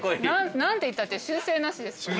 何ていったって修正なしですから。